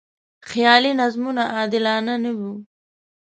خیالي نظمونه عادلانه نه و.